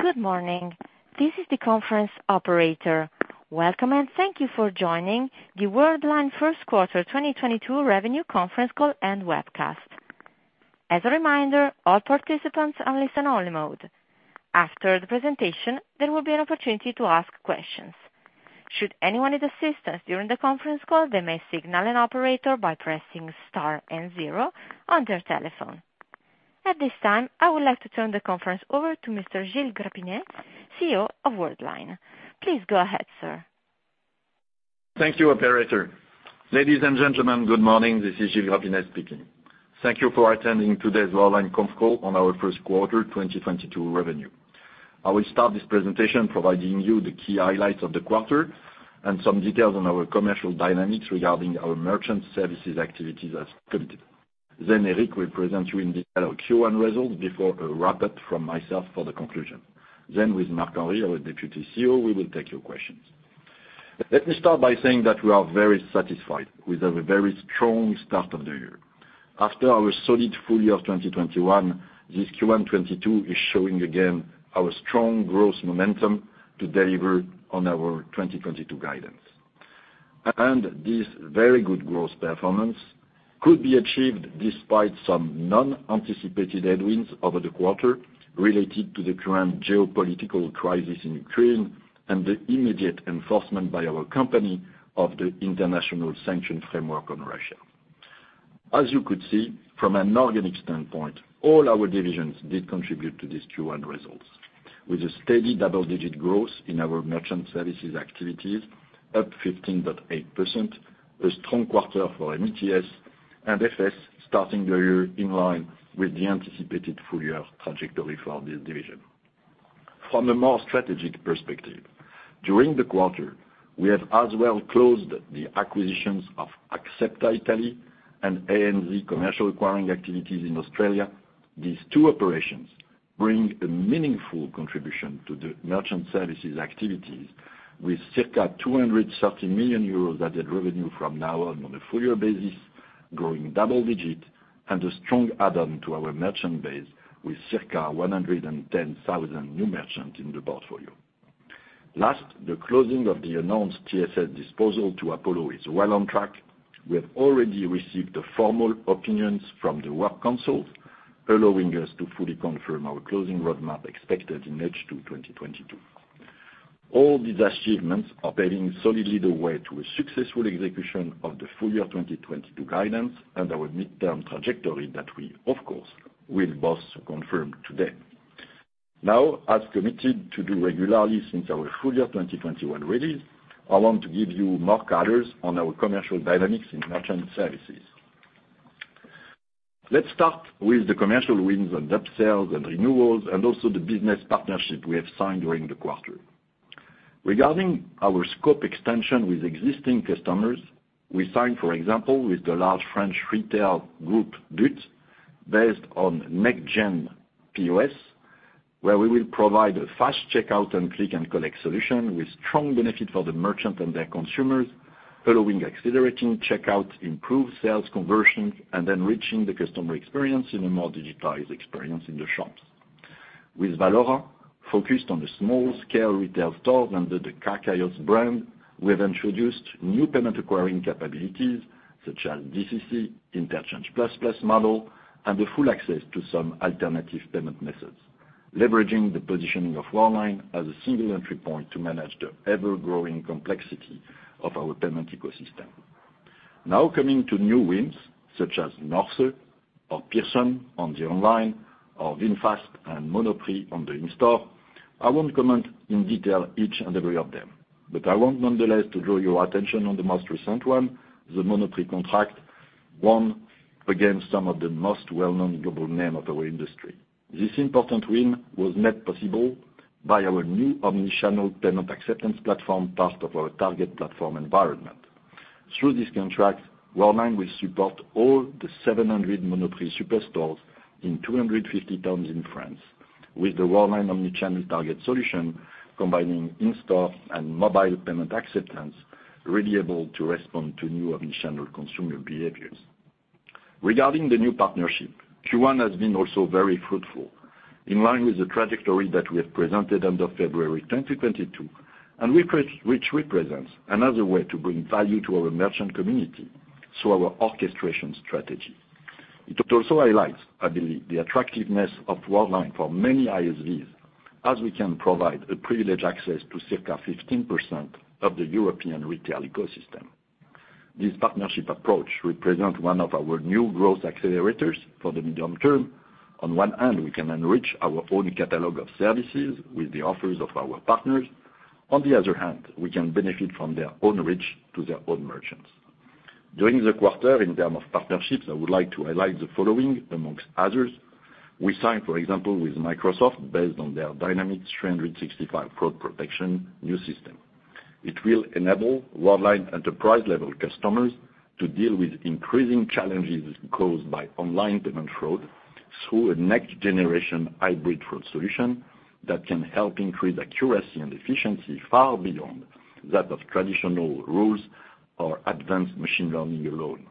Good morning. This is the conference operator. Welcome, and thank you for joining the Worldline first quarter 2022 revenue conference call and webcast. As a reminder, all participants are in listen-only mode. After the presentation, there will be an opportunity to ask questions. Should anyone need assistance during the conference call, they may signal an operator by pressing star and zero on their telephone. At this time, I would like to turn the conference over to Mr. Gilles Grapinet, CEO of Worldline. Please go ahead, sir. Thank you, operator. Ladies and gentlemen, good morning. This is Gilles Grapinet speaking. Thank you for attending today's Worldline conf call on our first quarter 2022 revenue. I will start this presentation providing you the key highlights of the quarter and some details on our commercial dynamics regarding our merchant services activities as committed. Eric will present you in detail our Q1 results before a wrap-up from myself for the conclusion. With Marc-Henri, our Deputy CEO, we will take your questions. Let me start by saying that we are very satisfied with a very strong start of the year. After our solid full year of 2021, this Q1 2022 is showing again our strong growth momentum to deliver on our 2022 guidance. This very good growth performance could be achieved despite some non-anticipated headwinds over the quarter related to the current geopolitical crisis in Ukraine and the immediate enforcement by our company of the international sanctions framework on Russia. As you could see, from an organic standpoint, all our divisions did contribute to these Q1 results, with a steady double-digit growth in our merchant services activities, up 15.8%, a strong quarter for MTS, and FS starting the year in line with the anticipated full year trajectory for this division. From a more strategic perspective, during the quarter, we have as well closed the acquisitions of Axepta Italy and ANZ commercial acquiring activities in Australia. These two operations bring a meaningful contribution to the merchant services activities with circa 230 million euros added revenue from now on a full year basis, growing double digits, and a strong add-on to our merchant base with circa 110,000 new merchants in the portfolio. Last, the closing of the announced TSS disposal to Apollo is well on track. We have already received the formal opinions from the Works Council, allowing us to fully confirm our closing roadmap expected in H2 2022. All these achievements are paving solidly the way to a successful execution of the full year 2022 guidance and our midterm trajectory that we, of course, will both confirm today. Now, as committed to do regularly since our full year 2021 release, I want to give you more colors on our commercial dynamics in merchant services. Let's start with the commercial wins and upsells and renewals, and also the business partnership we have signed during the quarter. Regarding our scope extension with existing customers, we signed, for example, with the large French retail group, BUT, based on McGEN POS, where we will provide a fast checkout and click and collect solution with strong benefit for the merchant and their consumers, allowing accelerating checkout, improved sales conversions, and enriching the customer experience in a more digitized experience in the shops. With Valora, focused on the small scale retail stores under the k kiosk brand, we have introduced new payment acquiring capabilities such as DCC, Interchange++ model, and the full access to some alternative payment methods, leveraging the positioning of Worldline as a single entry point to manage the ever-growing complexity of our payment ecosystem. Now coming to new wins, such as North or Pearson on the online or VinFast and Monoprix on the in-store. I won't comment in detail each and every of them, but I want nonetheless to draw your attention on the most recent one, the Monoprix contract, won against some of the most well-known global name of our industry. This important win was made possible by our new omni-channel payment acceptance platform, part of our target platform environment. Through this contract, Worldline will support all the 700 Monoprix superstores in 250 towns in France with the Worldline omni-channel target solution, combining in-store and mobile payment acceptance, really able to respond to new omni-channel consumer behaviors. Regarding the new partnership, Q1 has been also very fruitful, in line with the trajectory that we have presented end of February 2022, and represents another way to bring value to our merchant community through our orchestration strategy. It also highlights, I believe, the attractiveness of Worldline for many ISVs, as we can provide a privileged access to circa 15% of the European retail ecosystem. This partnership approach represents one of our new growth accelerators for the medium term. On one hand, we can enrich our own catalog of services with the offers of our partners. On the other hand, we can benefit from their own reach to their own merchants. During the quarter, in terms of partnerships, I would like to highlight the following among others. We signed, for example, with Microsoft based on their Dynamics 365 fraud protection new system. It will enable Worldline enterprise level customers to deal with increasing challenges caused by online payment fraud through a next generation hybrid fraud solution that can help increase accuracy and efficiency far beyond that of traditional rules or advanced machine learning alone.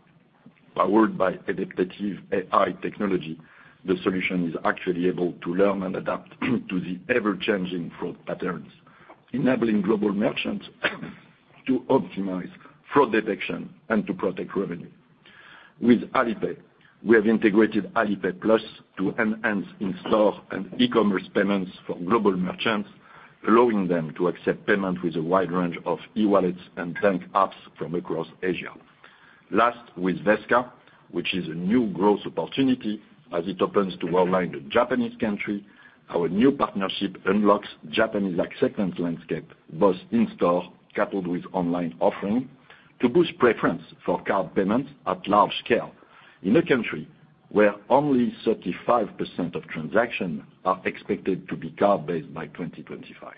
Powered by adaptive AI technology, the solution is actually able to learn and adapt to the ever-changing fraud patterns, enabling global merchants to optimize fraud detection and to protect revenue. With Alipay, we have integrated Alipay+ to enhance in-store and e-commerce payments for global merchants, allowing them to accept payment with a wide range of e-wallets and bank apps from across Asia. Last, with VeriTrans, which is a new growth opportunity as it opens to online the Japanese country, our new partnership unlocks Japanese acceptance landscape, both in-store coupled with online offering to boost preference for card payments at large scale in a country where only 35% of transactions are expected to be card-based by 2025.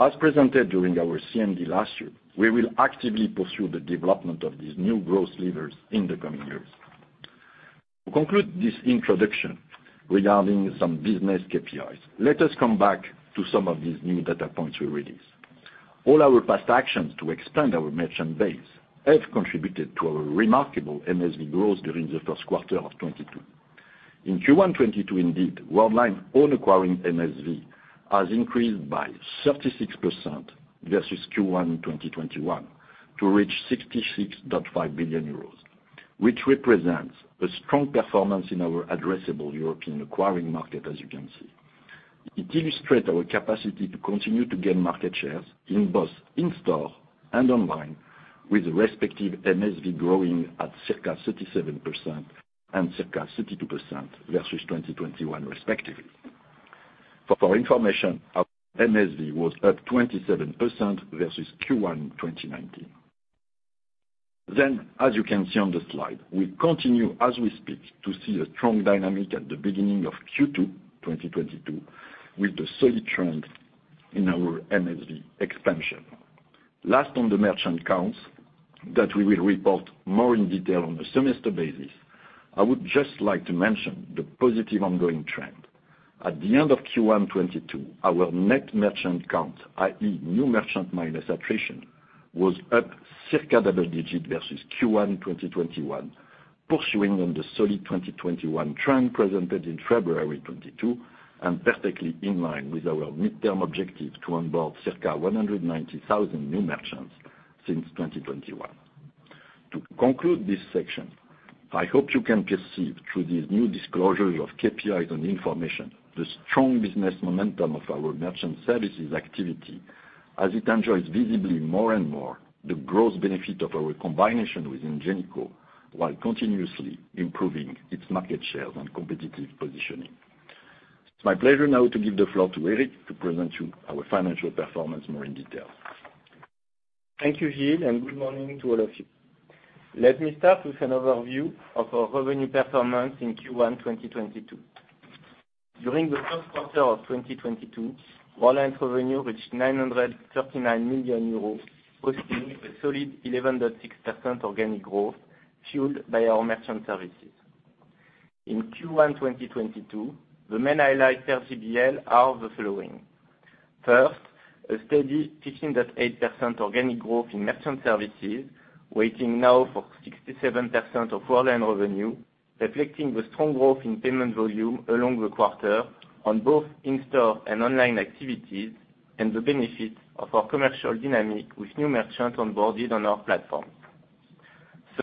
As presented during our CMD last year, we will actively pursue the development of these new growth levers in the coming years. To conclude this introduction regarding some business KPIs, let us come back to some of these new data points we released. All our past actions to expand our merchant base have contributed to a remarkable MSV growth during the first quarter of 2022. In Q1 2022, indeed, Worldline's own acquiring MSV has increased by 36% versus Q1 2021 to reach 66.5 billion euros, which represents a strong performance in our addressable European acquiring market, as you can see. It illustrates our capacity to continue to gain market shares in both in-store and online, with respective MSV growing at circa 37% and circa 32% versus 2021 respectively. For your information, our MSV was up 27% versus Q1 2019. Then, as you can see on the slide, we continue as we speak to see a strong dynamic at the beginning of Q2 2022 with the solid trend in our MSV expansion. Last, on the merchant counts that we will report more in detail on a semester basis, I would just like to mention the positive ongoing trend. At the end of Q1 2022, our net merchant count, i.e., new merchant minus attrition, was up circa double digit versus Q1 2021, pursuing on the solid 2021 trend presented in February 2022, and perfectly in line with our midterm objective to onboard circa 190,000 new merchants since 2021. To conclude this section, I hope you can perceive through these new disclosures of KPIs and information, the strong business momentum of our merchant services activity as it enjoys visibly more and more the growth benefit of our combination with Ingenico, while continuously improving its market shares and competitive positioning. It's my pleasure now to give the floor to Eric to present you our financial performance more in detail. Thank you, Gilles, and good morning to all of you. Let me start with an overview of our revenue performance in Q1 2022. During the first quarter of 2022, Worldline's revenue reached 939 million euros, posting a solid 11.6% organic growth fueled by our merchant services. In Q1 2022, the main highlights per GBL are the following: First, a steady 15.8% organic growth in merchant services, weighing now at 67% of Worldline revenue, reflecting the strong growth in payment volume throughout the quarter on both in-store and online activities, and the benefit of our commercial dynamic with new merchants onboarded on our platform.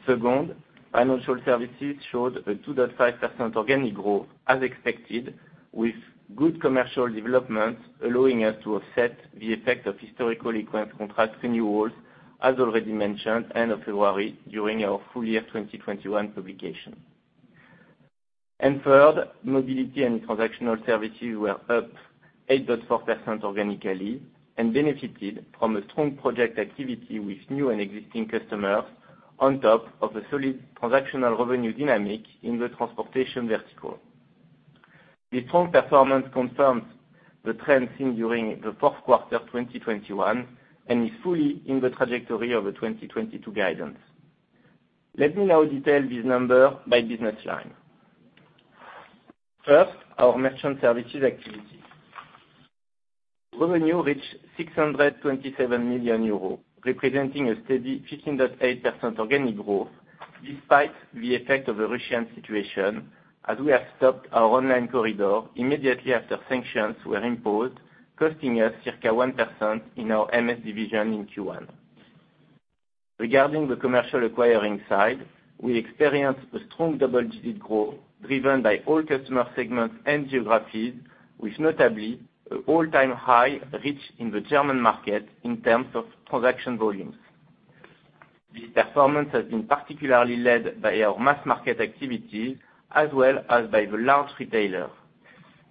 Second, financial services showed a 2.5% organic growth as expected, with good commercial development allowing us to offset the effect of historical equipment contract renewals, as already mentioned end of February during our full year 2021 publication. Third, mobility and transactional services were up 8.4% organically, and benefited from a strong project activity with new and existing customers on top of a solid transactional revenue dynamic in the transportation vertical. The strong performance confirms the trends seen during the fourth quarter 2021, and is fully in the trajectory of the 2022 guidance. Let me now detail this number by business line. First, our merchant services activity. Revenue reached 627 million euros, representing a steady 15.8% organic growth, despite the effect of the Russian situation, as we have stopped our online corridor immediately after sanctions were imposed, costing us circa 1% in our MS division in Q1. Regarding the commercial acquiring side, we experienced a strong double-digit growth driven by all customer segments and geographies, with notably an all-time high reached in the German market in terms of transaction volumes. This performance has been particularly led by our mass market activities as well as by the large retailer,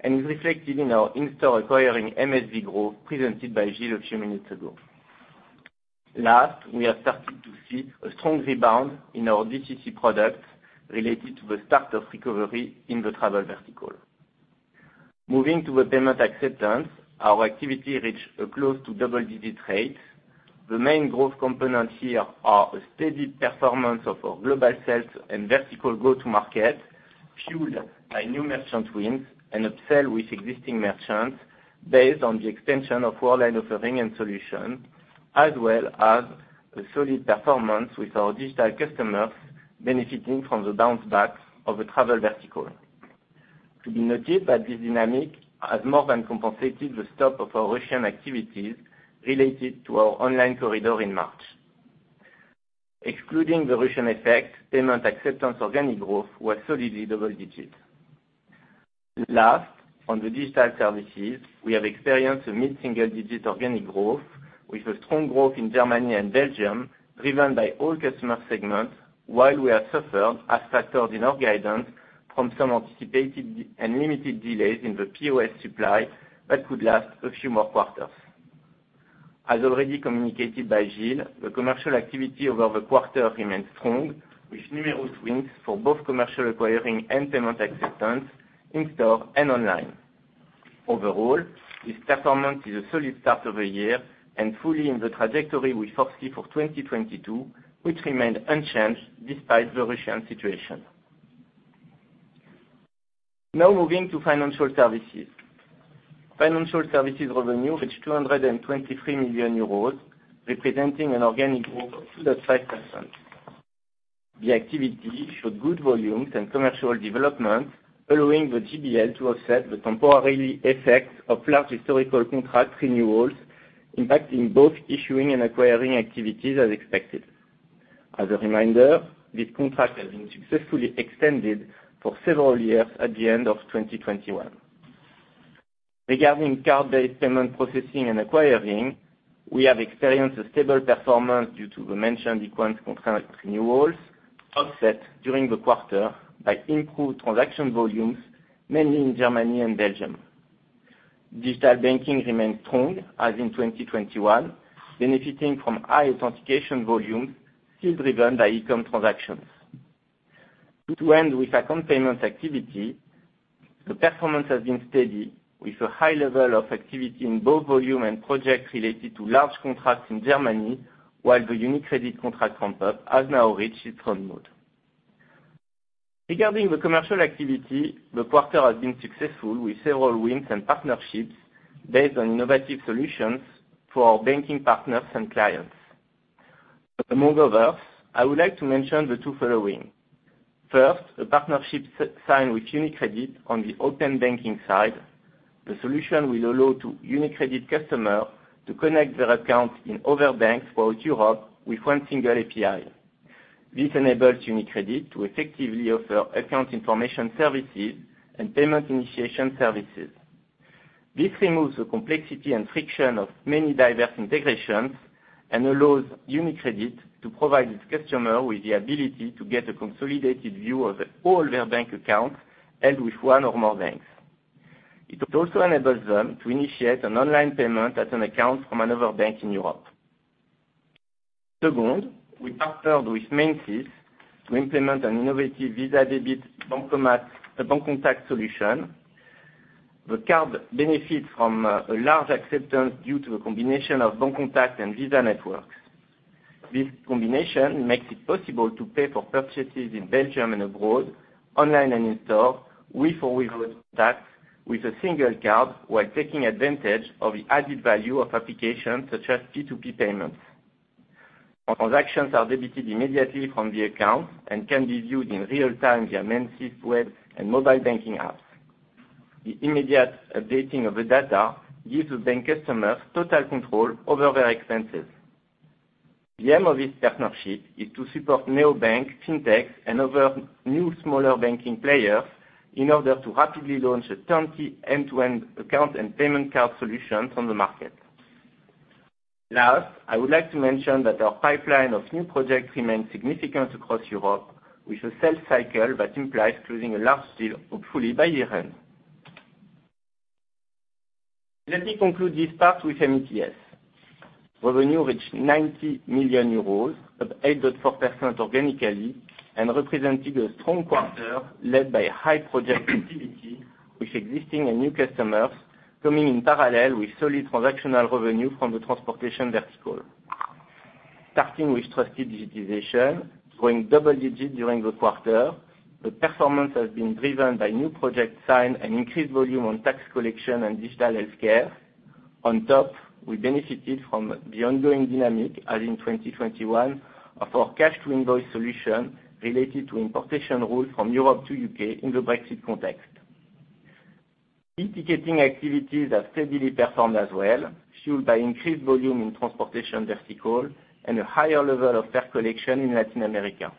and is reflected in our in-store acquiring MSV growth presented by Gilles a few minutes ago. Last, we have started to see a strong rebound in our DCC products related to the start of recovery in the travel vertical. Moving to the payment acceptance, our activity reached close to double-digit rate. The main growth components here are a steady performance of our global sales and vertical go-to-market, fueled by new merchant wins and upsell with existing merchants based on the extension of our line of offering and solution, as well as a solid performance with our digital customers benefiting from the bounce backs of the travel vertical. To be noted that this dynamic has more than compensated the stop of our Russian activities related to our online corridor in March. Excluding the Russian effect, payment acceptance organic growth was solidly double digits. Last, on the digital services, we have experienced a mid-single digit organic growth with a strong growth in Germany and Belgium, driven by all customer segments, while we have suffered as factors in our guidance from some anticipated and limited delays in the POS supply that could last a few more quarters. As already communicated by Gilles, the commercial activity over the quarter remained strong, with numerous wins for both commercial acquiring and payment acceptance in store and online. Overall, this performance is a solid start of the year and fully in the trajectory we foresee for 2022, which remained unchanged despite the Russian situation. Now moving to financial services. Financial services revenue reached 223 million euros, representing an organic growth of 2.5%. The activity showed good volumes and commercial development, allowing the GBL to offset the temporary effects of large historical contract renewals, impacting both issuing and acquiring activities as expected. As a reminder, this contract has been successfully extended for several years at the end of 2021. Regarding card-based payment processing and acquiring, we have experienced a stable performance due to the mentioned Equens contract renewals, offset during the quarter by improved transaction volumes, mainly in Germany and Belgium. Digital banking remained strong as in 2021, benefiting from high authentication volumes still driven by e-com transactions. To end with account payments activity, the performance has been steady, with a high level of activity in both volume and projects related to large contracts in Germany, while the UniCredit contract ramp-up has now reached its run mode. Regarding the commercial activity, the quarter has been successful with several wins and partnerships based on innovative solutions for our banking partners and clients. Among others, I would like to mention the two following. First, a partnership signed with UniCredit on the open banking side. The solution will allow UniCredit customers to connect their accounts in other banks throughout Europe with one single API. This enables UniCredit to effectively offer account information services and payment initiation services. This removes the complexity and friction of many diverse integrations and allows UniCredit to provide its customers with the ability to get a consolidated view of all their bank accounts held with one or more banks. It also enables them to initiate an online payment at an account from another bank in Europe. Second, we partnered with MS to implement an innovative Visa Debit Bancomat, Bancontact solution. The card benefits from a large acceptance due to a combination of Bancontact and Visa networks. This combination makes it possible to pay for purchases in Belgium and abroad, online and in store, with or without tax, with a single card while taking advantage of the added value of applications such as P2P payments. All transactions are debited immediately from the account and can be viewed in real time via MS web and mobile banking apps. The immediate updating of the data gives the bank customers total control over their expenses. The aim of this partnership is to support neobanks, fintechs, and other new smaller banking players in order to rapidly launch a turnkey end-to-end account and payment card solutions on the market. Last, I would like to mention that our pipeline of new projects remains significant across Europe with a sales cycle that implies closing a large deal, hopefully by year-end. Let me conclude this part with MTS. Revenue reached EUR 90 million, up 8.4% organically, and represented a strong quarter led by high project activity with existing and new customers, coming in parallel with solid transactional revenue from the transportation vertical. Starting with trusted digitization, growing double digits during the quarter, the performance has been driven by new projects signed and increased volume on tax collection and digital healthcare. On top, we benefited from the ongoing dynamic as in 2021 of our cash to invoice solution related to importation rules from Europe to U.K. in the Brexit context. E-ticketing activities have steadily performed as well, fueled by increased volume in transportation vertical and a higher level of fare collection in Latin America.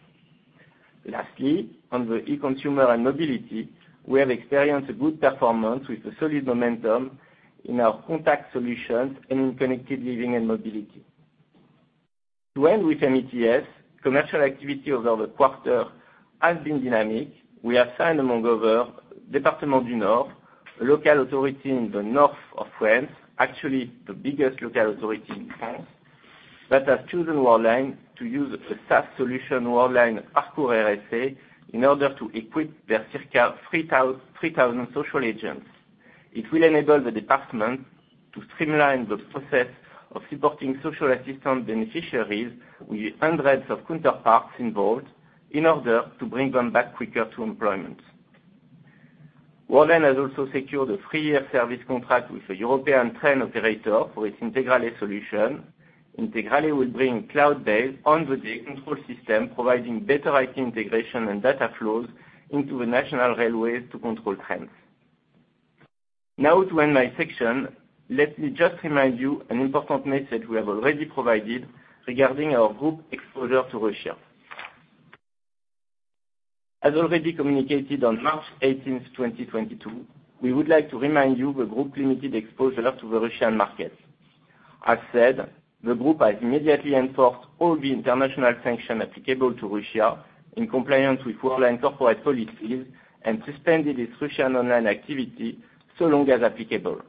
Lastly, on the e-consumer and mobility, we have experienced a good performance with a solid momentum in our contact solutions and in connected living and mobility. To end with MeTS, commercial activity over the quarter has been dynamic. We have signed among other Département du Nord, a local authority in the north of France, actually the biggest local authority in France. That has chosen Worldline to use a SaaS solution, Worldline Parcours RSA, in order to equip their circa 3,000 social agents. It will enable the department to streamline the process of supporting social assistance beneficiaries with hundreds of counterparts involved in order to bring them back quicker to employment. Worldline has also secured a three-year service contract with a European train operator for its Integrale solution. Integrale will bring cloud-based, on-the-day control system, providing better IT integration and data flows into the national railways to control trains. Now to end my section, let me just remind you an important message we have already provided regarding our group exposure to Russia. As already communicated on March 18th, 2022, we would like to remind you the group limited exposure to the Russian market. As said, the group has immediately enforced all the international sanction applicable to Russia in compliance with Worldline corporate policies, and suspended its Russian online activity so long as applicable.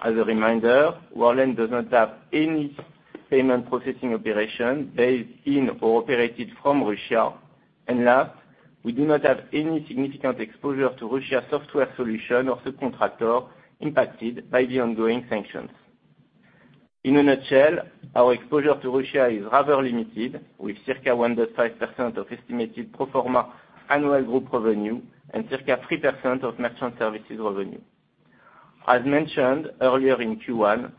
As a reminder, Worldline does not have any payment processing operation based in or operated from Russia. Last, we do not have any significant exposure to Russia software solution or subcontractor impacted by the ongoing sanctions. In a nutshell, our exposure to Russia is rather limited, with circa 1.5% of estimated pro forma annual group revenue and circa 3% of merchant services revenue. As mentioned earlier in Q1,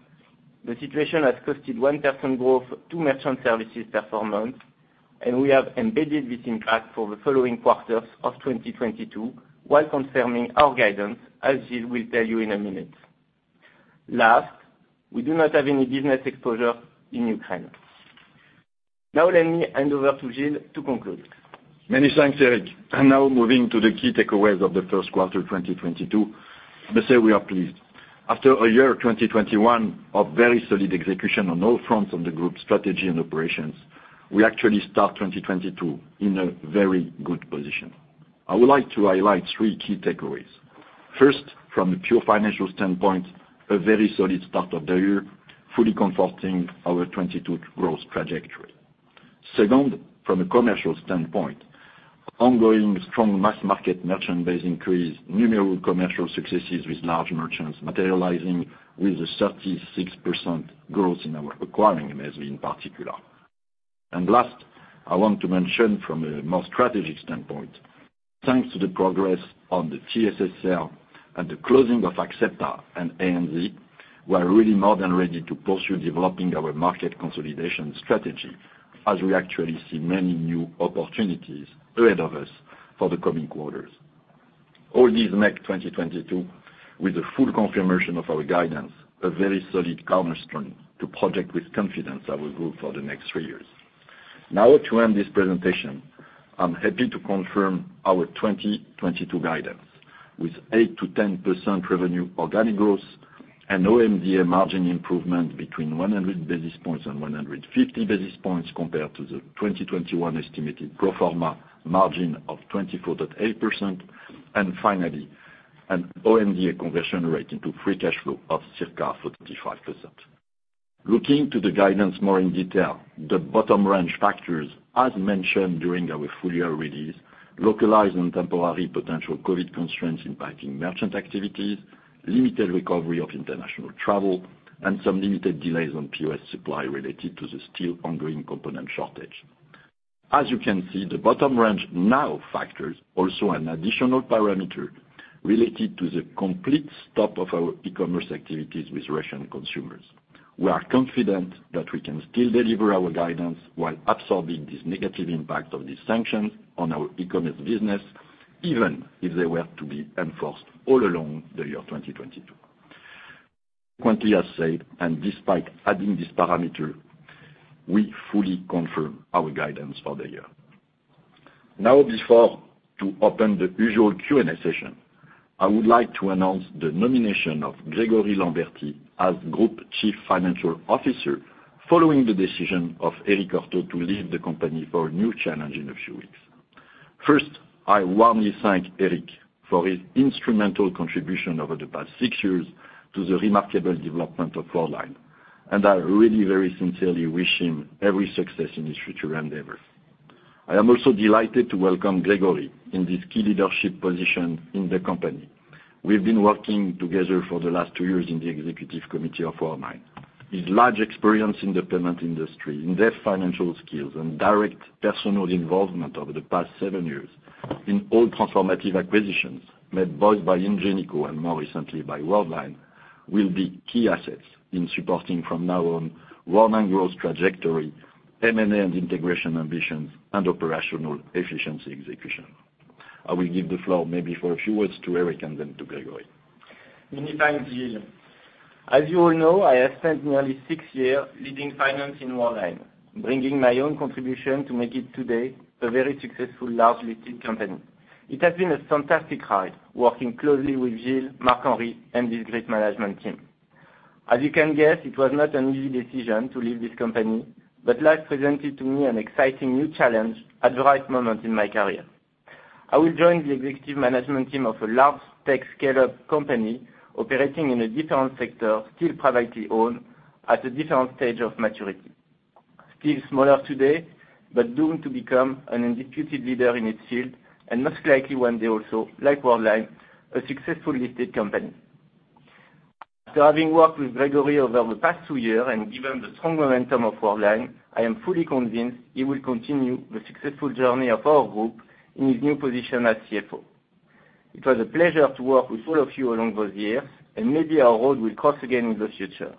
the situation has cost 1% growth to merchant services performance, and we have embedded this impact for the following quarters of 2022 while confirming our guidance, as Gilles will tell you in a minute. Last, we do not have any business exposure in Ukraine. Now let me hand over to Gilles to conclude. Many thanks, Eric. Now moving to the key takeaways of the first quarter 2022. Let's say we are pleased. After a year 2021 of very solid execution on all fronts of the group strategy and operations, we actually start 2022 in a very good position. I would like to highlight three key takeaways. First, from the pure financial standpoint, a very solid start of the year, fully comforting our 2022 growth trajectory. Second, from a commercial standpoint, ongoing strong mass market merchant base increase, numerous commercial successes with large merchants materializing with a 36% growth in our acquiring MSV in particular. Last, I want to mention from a more strategic standpoint, thanks to the progress on the TSS and the closing of Axepta and ANZ, we are really more than ready to pursue developing our market consolidation strategy as we actually see many new opportunities ahead of us for the coming quarters. All these make 2022, with the full confirmation of our guidance, a very solid cornerstone to project with confidence our group for the next three years. Now to end this presentation, I'm happy to confirm our 2022 guidance, with 8%-10% revenue organic growth and OMDM margin improvement between 100 basis points and 150 basis points compared to the 2021 estimated pro forma margin of 24.8%. Finally, an OMDM conversion rate into free cash flow of circa 45%. Looking to the guidance more in detail, the bottom range factors, as mentioned during our full-year release, localized and temporary potential COVID constraints impacting merchant activities, limited recovery of international travel, and some limited delays on POS supply related to the still ongoing component shortage. As you can see, the bottom range now factors also an additional parameter related to the complete stop of our e-commerce activities with Russian consumers. We are confident that we can still deliver our guidance while absorbing this negative impact of these sanctions on our e-commerce business, even if they were to be enforced all along the year 2022. Frequently as said, despite adding this parameter, we fully confirm our guidance for the year. Now before we open the usual Q&A session, I would like to announce the nomination of Grégory Lambertie as Group Chief Financial Officer, following the decision of Eric Heurtaux to leave the company for a new challenge in a few weeks. First, I warmly thank Eric for his instrumental contribution over the past six years to the remarkable development of Worldline, and I really very sincerely wish him every success in his future endeavors. I am also delighted to welcome Grégory in this key leadership position in the company. We've been working together for the last two years in the executive committee of Worldline. His large experience in the payment industry, in-depth financial skills, and direct personal involvement over the past seven years in all transformative acquisitions made both by Ingenico and more recently by Worldline, will be key assets in supporting from now on Worldline growth trajectory, M&A and integration ambitions, and operational efficiency execution. I will give the floor maybe for a few words to Eric and then to Grégory. Many thanks, Gilles. As you all know, I have spent nearly six years leading finance in Worldline, bringing my own contribution to make it today a very successful large listed company. It has been a fantastic ride working closely with Gilles, Marc-Henri, and this great management team. As you can guess, it was not an easy decision to leave this company, but life presented to me an exciting new challenge at the right moment in my career. I will join the executive management team of a large tech scale-up company operating in a different sector, still privately owned, at a different stage of maturity. Still smaller today, but doomed to become an undisputed leader in its field, and most likely one day also, like Worldline, a successful listed company. After having worked with Grégory over the past two years, and given the strong momentum of Worldline, I am fully convinced he will continue the successful journey of our group in his new position as CFO. It was a pleasure to work with all of you along those years, and maybe our road will cross again in the future.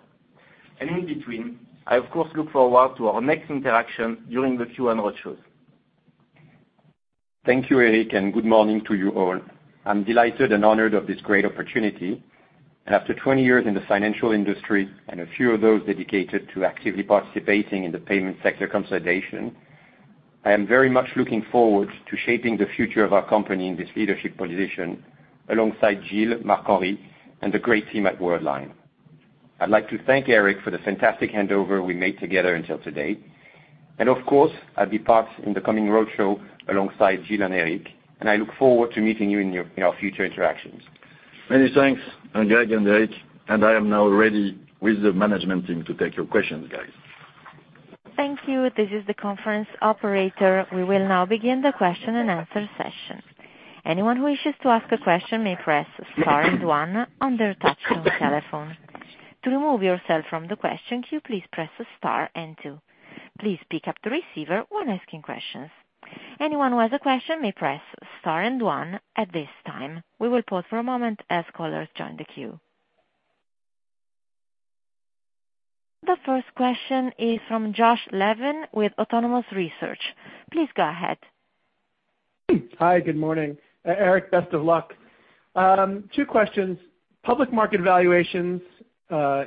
In between, I of course look forward to our next interaction during the Q&A roadshows. Thank you, Eric, and good morning to you all. I'm delighted and honored of this great opportunity. After 20 years in the financial industry, and a few of those dedicated to actively participating in the payment sector consolidation, I am very much looking forward to shaping the future of our company in this leadership position alongside Gilles and Marc-Henri and the great team at Worldline. I'd like to thank Eric for the fantastic handover we made together until today. Of course, I'll be part in the coming roadshow alongside Gilles and Eric, and I look forward to meeting you in your, in our future interactions. Many thanks, Greg and Eric, and I am now ready with the management team to take your questions, guys. Thank you. This is the conference operator. We will now begin the question-and-answer session. Anyone who wishes to ask a question may press star and one on their touch-tone telephone. To remove yourself from the question queue, please press star and two. Please pick up the receiver when asking questions. Anyone who has a question may press star and one at this time. We will pause for a moment as callers join the queue. The first question is from Josh Levin with Autonomous Research. Please go ahead. Hi, good morning. Eric, best of luck. Two questions. Public market valuations,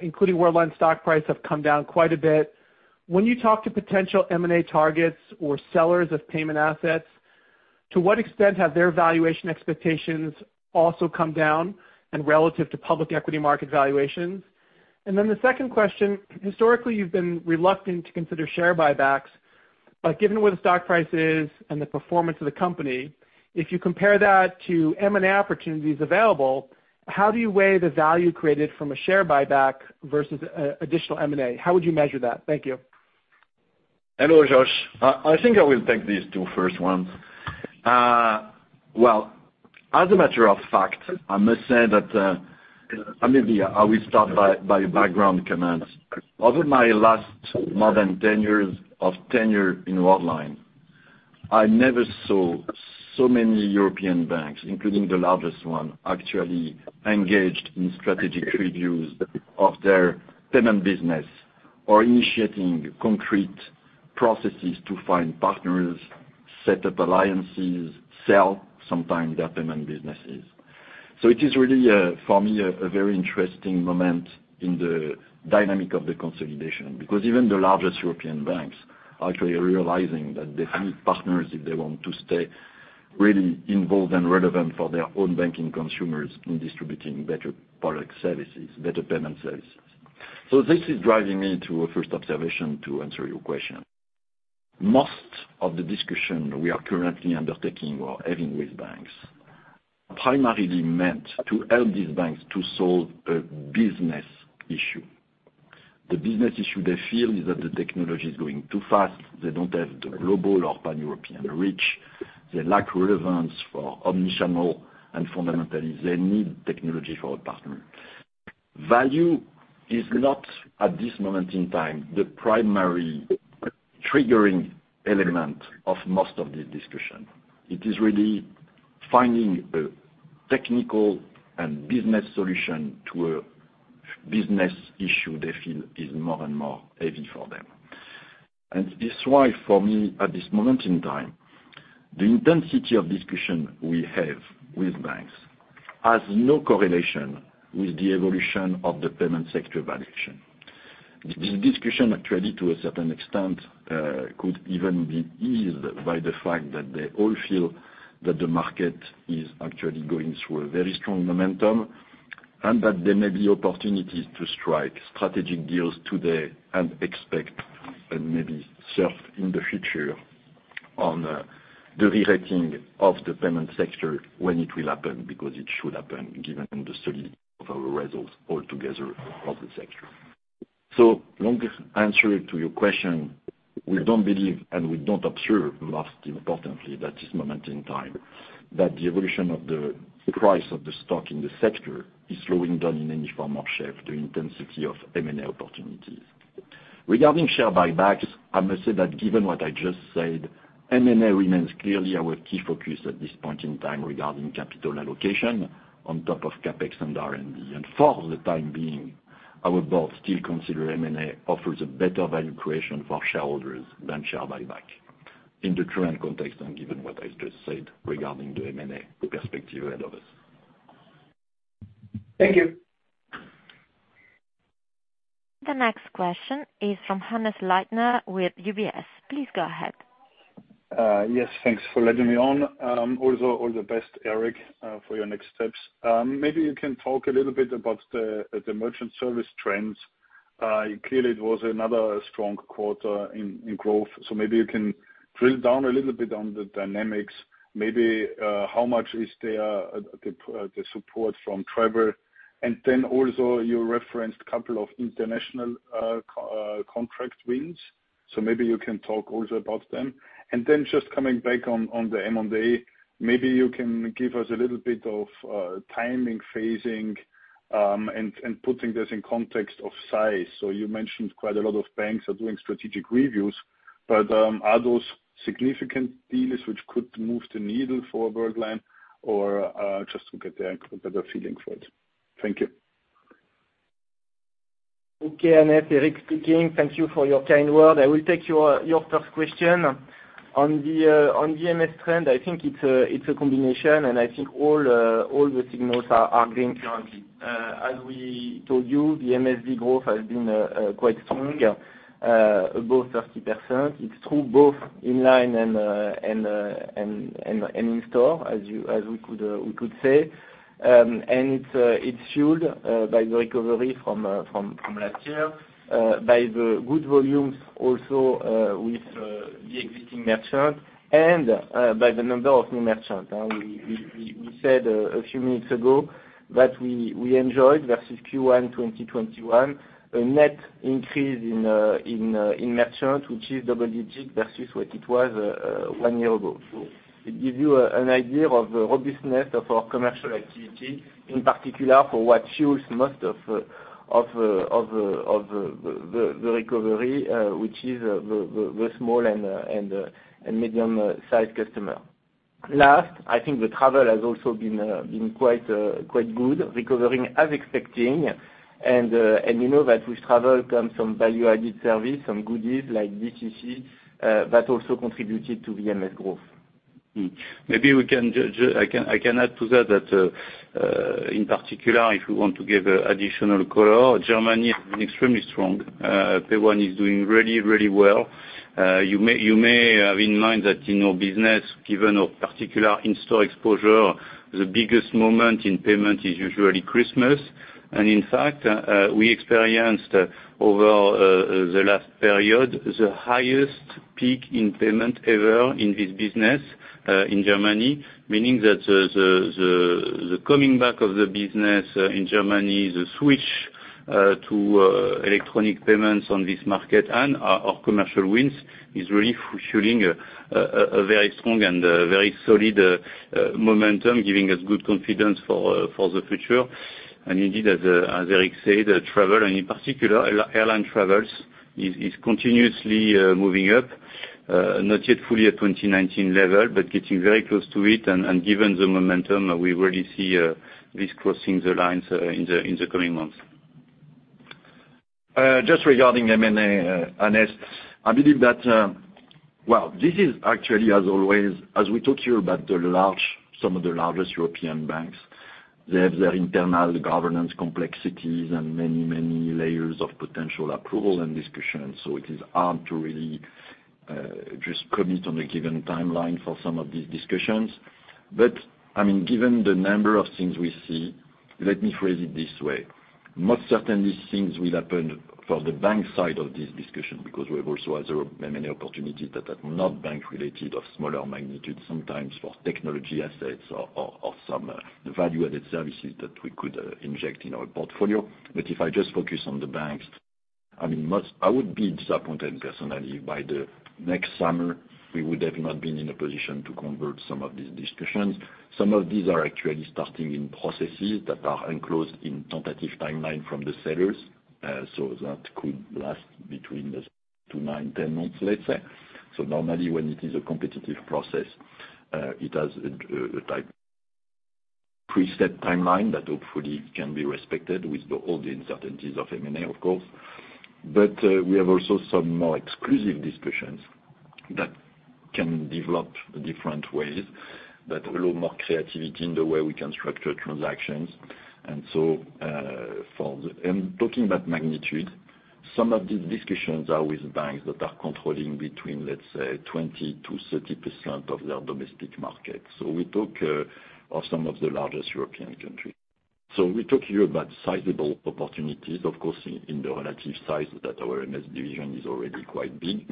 including Worldline stock price, have come down quite a bit. When you talk to potential M&A targets or sellers of payment assets, to what extent have their valuation expectations also come down and relative to public equity market valuations? The second question, historically, you've been reluctant to consider share buybacks. Given where the stock price is and the performance of the company, if you compare that to M&A opportunities available, how do you weigh the value created from a share buyback versus, additional M&A? How would you measure that? Thank you. Hello, Josh. I think I will take these two first ones. Well, as a matter of fact, I must say that, maybe I will start by background comments. Over my last more than 10 years of tenure in Worldline, I never saw so many European banks, including the largest one, actually engaged in strategic reviews of their payment business or initiating concrete processes to find partners, set up alliances, sell sometimes their payment businesses. It is really, for me a very interesting moment in the dynamic of the consolidation, because even the largest European banks actually are realizing that they need partners if they want to stay really involved and relevant for their own banking consumers in distributing better product services, better payment services. This is driving me to a first observation to answer your question. Most of the discussion we are currently undertaking or having with banks are primarily meant to help these banks to solve a business issue. The business issue they feel is that the technology is going too fast. They don't have the global or pan-European reach. They lack relevance for omnichannel, and fundamentally, they need technology for a partner. Value is not, at this moment in time, the primary triggering element of most of these discussions. It is really finding a technical and business solution to a business issue they feel is more and more heavy for them. It is why for me, at this moment in time, the intensity of discussion we have with banks has no correlation with the evolution of the payment sector valuation. This discussion actually to a certain extent could even be eased by the fact that they all feel that the market is actually going through a very strong momentum, and that there may be opportunities to strike strategic deals today and expect and maybe surf in the future on the rewriting of the payment sector when it will happen, because it should happen given the study of our results all together of the sector. Long answer to your question, we don't believe and we don't observe, most importantly, that this moment in time, that the evolution of the price of the stock in the sector is slowing down in any form or shape the intensity of M&A opportunities. Regarding share buybacks, I must say that given what I just said, M&A remains clearly our key focus at this point in time regarding capital allocation on top of CapEx and R&D. For the time being, our board still consider M&A offers a better value creation for shareholders than share buyback in the current context and given what I just said regarding the M&A perspective ahead of us. Thank you. The next question is from Hannes Leitner with UBS. Please go ahead. Yes, thanks for letting me on. Also all the best, Eric, for your next steps. Maybe you can talk a little bit about the merchant service trends. Clearly it was another strong quarter in growth. Maybe you can drill down a little bit on the dynamics, maybe how much is the support from travel. Then also you referenced a couple of international contract wins, so maybe you can talk also about them. Then just coming back on the M&A, maybe you can give us a little bit of timing phasing, and putting this in context of size. You mentioned quite a lot of banks are doing strategic reviews, but are those significant deals which could move the needle for Worldline or just to get a better feeling for it? Thank you. Okay, Hannes, Eric speaking. Thank you for your kind words. I will take your first question. On the MSV trend, I think it's a combination, and I think all the signals are green currently. As we told you, the MSV growth has been quite strong, above 30%. It's through both online and in-store, as we could say. It's fueled by the recovery from last year, by the good volumes also with the existing merchant and by the number of new merchants. We said a few minutes ago that we enjoyed versus Q1 2021, a net increase in merchants, which is double-digit versus what it was one year ago. It gives you an idea of the robustness of our commercial activity, in particular for what fuels most of the recovery, which is the small and medium sized customer. I think the travel has also been quite good, recovering as expected. We know that with travel comes some value-added service, some goodies like DCC, that also contributed to the MSV growth. I can add to that, in particular, if we want to give additional color, Germany has been extremely strong. PAYONE is doing really well. You may have in mind that in our business, given our particular in-store exposure, the biggest moment in payment is usually Christmas. In fact, we experienced over the last period, the highest peak in payment ever in this business in Germany, meaning that the coming back of the business in Germany, the switch to electronic payments on this market and our commercial wins is really fulfilling a very strong and a very solid momentum, giving us good confidence for the future. Indeed, as Eric said, travel, and in particular airline travel is continuously moving up, not yet fully at 2019 level, but getting very close to it. Given the momentum we already see, this crossing the lines in the coming months. Just regarding M&A, Hannes, I believe that, well, this is actually as always, as we talk here about the large, some of the largest European banks, they have their internal governance complexities and many layers of potential approval and discussion. It is hard to really just commit on a given timeline for some of these discussions. I mean, given the number of things we see, let me phrase it this way. Most certainly things will happen for the bank side of this discussion, because we have also other M&A opportunities that are not bank related of smaller magnitude, sometimes for technology assets or some value-added services that we could inject in our portfolio. If I just focus on the banks, I mean, I would be disappointed personally by next summer, we would have not been in a position to convert some of these discussions. Some of these are actually starting processes that are included in tentative timeline from the sellers, so that could last between two, nine, 10 months, let's say. Normally when it is a competitive process, it has a type preset timeline that hopefully can be respected with all the uncertainties of M&A, of course. We have also some more exclusive discussions that can develop different ways that allow more creativity in the way we can structure transactions. Talking about magnitude, some of these discussions are with banks that are controlling between, let's say, 20%-30% of their domestic market. We talk of some of the largest European countries. We talk here about sizable opportunities, of course, in the relative size that our MS division is already quite big.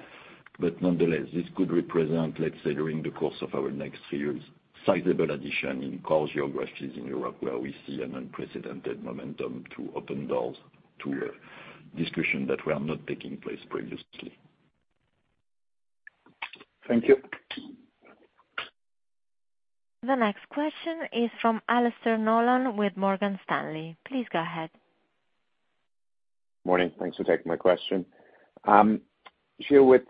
Nonetheless, this could represent, let's say, during the course of our next few years, sizable addition in core geographies in Europe, where we see an unprecedented momentum to open doors to a discussion that were not taking place previously. Thank you. The next question is from Alastair Nolan with Morgan Stanley. Please go ahead. Morning. Thanks for taking my question. Gilles,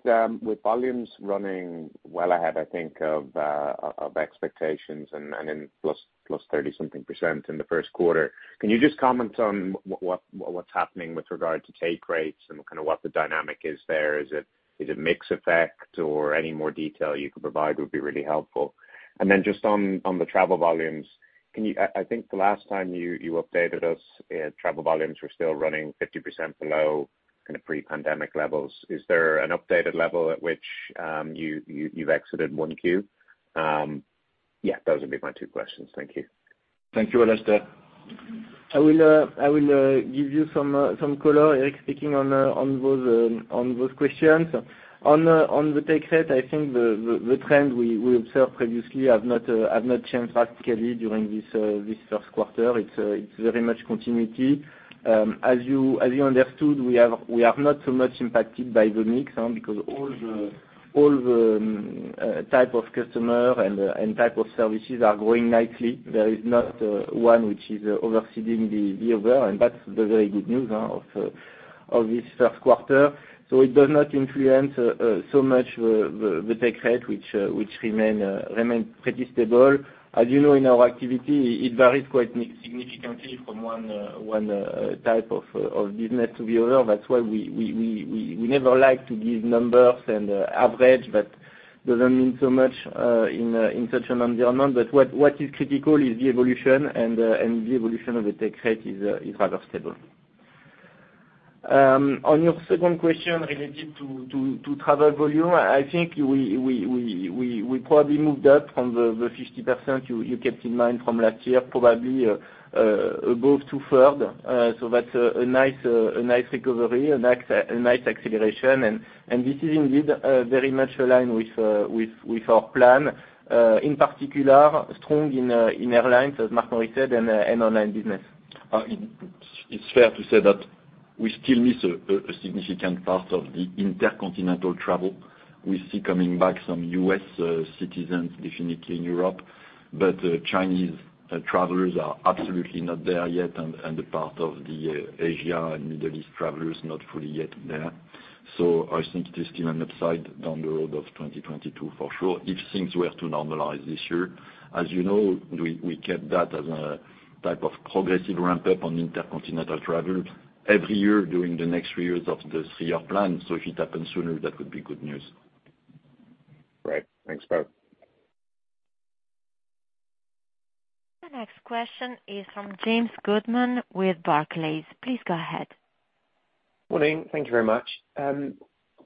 with volumes running well ahead, I think, of expectations and in +30-something percent in the first quarter, can you just comment on what's happening with regard to take rates and kind of what the dynamic is there? Is it mix effect or any more detail you could provide would be really helpful. Just on the travel volumes, I think the last time you updated us, travel volumes were still running 50% below kind of pre-pandemic levels. Is there an updated level at which you've exited Q1? Yeah, those would be my two questions. Thank you. Thank you, Alastair. I will give you some color, Eric speaking, on those questions. On the take rate, I think the trend we observed previously have not changed drastically during this first quarter. It's very much continuity. As you understood, we are not so much impacted by the mix, because all the type of customer and type of services are growing nicely. There is not one which is overstating the overall, and that's the very good news of this first quarter. It does not influence so much the take rate which remain pretty stable. As you know, in our activity it varies quite significantly from one type of business to the other. That's why we never like to give numbers and average. That doesn't mean so much in such an environment. What is critical is the evolution and the evolution of the take rate is rather stable. On your second question related to travel volume, I think we probably moved up from the 50% you kept in mind from last year, probably close to two-thirds. That's a nice recovery, a nice acceleration. This is indeed very much aligned with our plan, in particular strong in airlines, as Marc-Henri said, and online business. It's fair to say that we still miss a significant part of the intercontinental travel. We see coming back some U.S. citizens definitely in Europe. Chinese travelers are absolutely not there yet, and a part of the Asia and Middle East travelers not fully yet there. I think there's still an upside down the road of 2022 for sure, if things were to normalize this year. As you know, we kept that as a type of progressive ramp-up on intercontinental travel every year during the next three years of the three-year plan. If it happens sooner, that would be good news. Right. Thanks, both. The next question is from James Goodman with Barclays. Please go ahead. Morning. Thank you very much.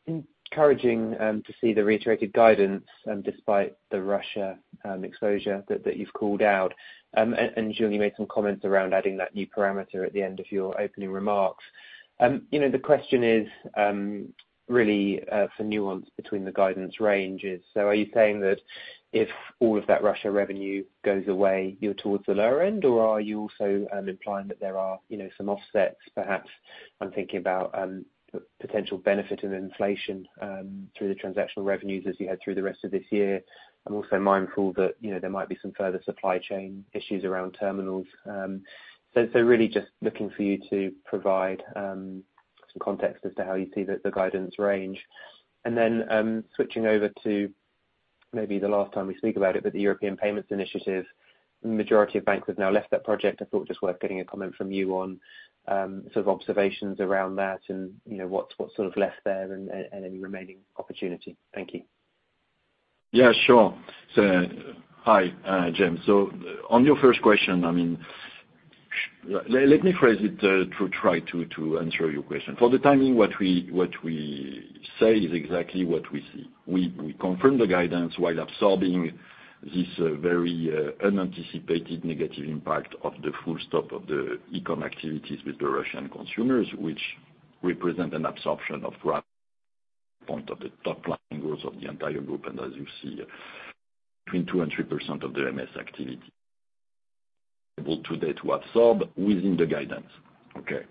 Encouraging to see the reiterated guidance despite the Russia exposure that you've called out. Gilles made some comments around adding that new parameter at the end of your opening remarks. You know, the question is really for nuance between the guidance ranges. Are you saying that if all of that Russia revenue goes away, you're towards the lower end? Or are you also implying that there are some offsets perhaps? I'm thinking about potential benefit of inflation through the transactional revenues as you head through the rest of this year. I'm also mindful that there might be some further supply chain issues around terminals. Really just looking for you to provide some context as to how you see the guidance range. Switching over to maybe the last time we speak about it, but the European Payments Initiative, the majority of banks have now left that project. I thought just worth getting a comment from you on sort of observations around that and, you know, what's sort of left there and any remaining opportunity. Thank you. Yeah, sure. Hi, James. On your first question, I mean, let me phrase it to try to answer your question. For the timing, what we say is exactly what we see. We confirm the guidance while absorbing this very unanticipated negative impact of the full stop of the e-comm activities with the Russian consumers, which represent an absorption of roughly one point of the top line growth of the entire group, and as you see, between 2% and 3% of the MSV activity. Able today to absorb within the guidance. Okay.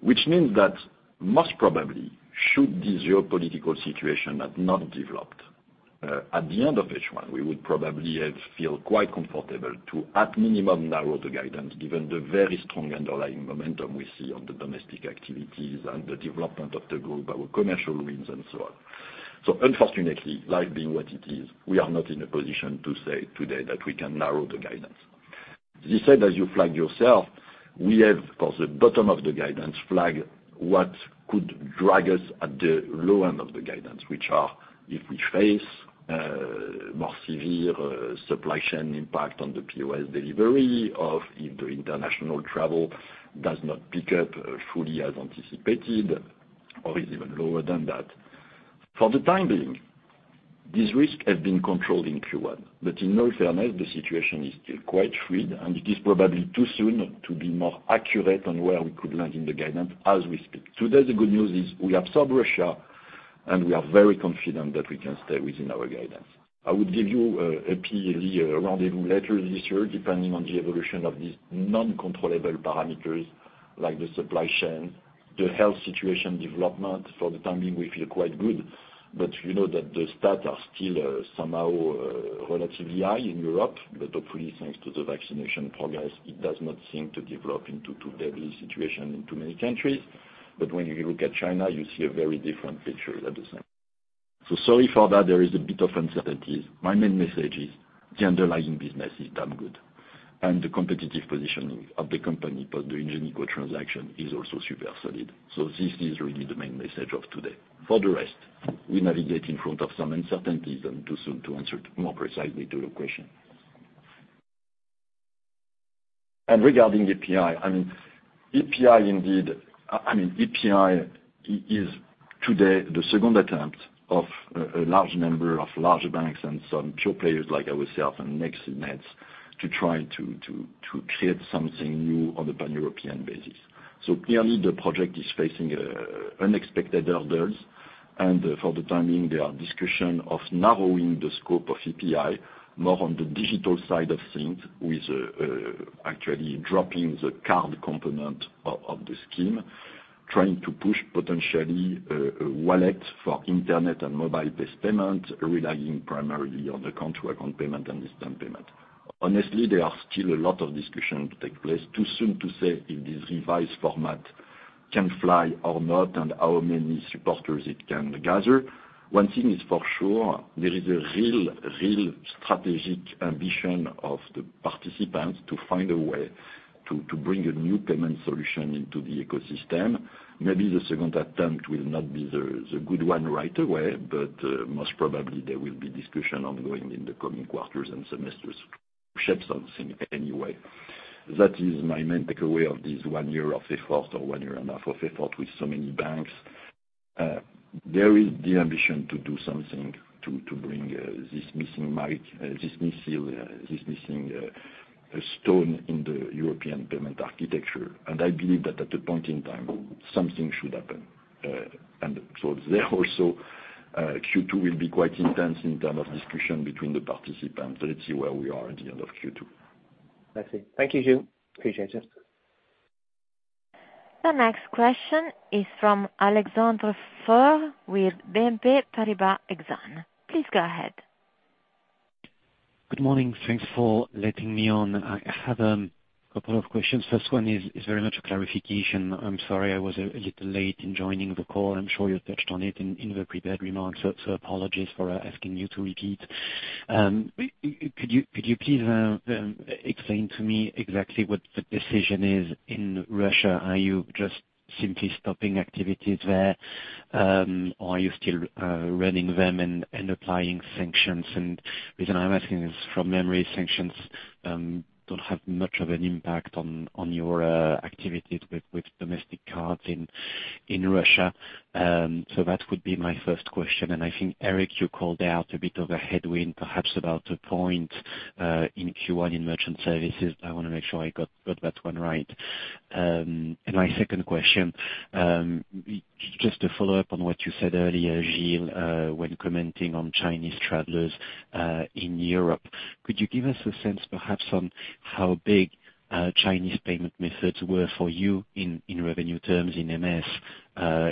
Which means that most probably, should this geopolitical situation have not developed at the end of H1, we would probably have felt quite comfortable to, at minimum, narrow the guidance given the very strong underlying momentum we see on the domestic activities and the development of the group, our commercial wins, and so on. Unfortunately, life being what it is, we are not in a position to say today that we can narrow the guidance. This said, as you flagged yourself, we have, for the bottom of the guidance range, what could drag us at the low end of the guidance, which are if we face more severe supply chain impact on the POS delivery or if the international travel does not pick up fully as anticipated or is even lower than that. For the time being, this risk has been controlled in Q1. In all fairness, the situation is still quite fluid, and it is probably too soon to be more accurate on where we could land in the guidance as we speak. Today, the good news is we absorbed Russia, and we are very confident that we can stay within our guidance. I would give you a clearly around it later this year, depending on the evolution of these non-controllable parameters like the supply chain, the health situation development. For the time being, we feel quite good. You know that the stats are still somehow relatively high in Europe, but hopefully thanks to the vaccination progress, it does not seem to develop into too deadly situation in too many countries. When you look at China, you see a very different picture at the same. Sorry for that. There is a bit of uncertainties. My main message is the underlying business is damn good. The competitive positioning of the company post the Ingenico transaction is also super solid. This is really the main message of today. For the rest, we navigate in front of some uncertainties and too soon to answer more precisely to your question. Regarding EPI, I mean, EPI indeed, I mean, EPI is today the second attempt of a large number of large banks and some pure players like ourselves and Nexi/Nets to try to create something new on the pan-European basis. Clearly the project is facing unexpected hurdles, and for the time being there are discussions of narrowing the scope of EPI more on the digital side of things with actually dropping the card component of the scheme, trying to push potentially a wallet for internet and mobile-based payment, relying primarily on the contactless payment and instant payment. Honestly, there are still a lot of discussions to take place. Too soon to say if this revised format can fly or not and how many supporters it can gather. One thing is for sure, there is a real strategic ambition of the participants to find a way to bring a new payment solution into the ecosystem. Maybe the second attempt will not be the good one right away, but most probably there will be discussion ongoing in the coming quarters and semesters to shape something anyway. That is my main takeaway of this one year of effort, or one year and a half of effort with so many banks. There is the ambition to do something to bring this missing link in the European payment architecture. I believe that at a point in time, something should happen. There also Q2 will be quite intense in terms of discussion between the participants. Let's see where we are at the end of Q2. I see. Thank you, Gilles. Appreciate it. The next question is from Alexandre Faure with BNP Paribas Exane. Please go ahead. Good morning. Thanks for letting me on. I have a couple of questions. First one is very much a clarification. I'm sorry I was a little late in joining the call. I'm sure you touched on it in the prepared remarks, so apologies for asking you to repeat. Could you please explain to me exactly what the decision is in Russia? Are you just simply stopping activities there, or are you still running them and applying sanctions? The reason I'm asking is from memory sanctions don't have much of an impact on your activities with domestic cards in Russia. That would be my first question. I think, Eric, you called out a bit of a headwind, perhaps about a point in Q1 in merchant services. I wanna make sure I got that one right. My second question, just to follow up on what you said earlier, Gilles, when commenting on Chinese travelers in Europe, could you give us a sense perhaps on how big Chinese payment methods were for you in revenue terms in MS